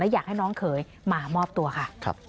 อยากให้น้องเขยมามอบตัวค่ะ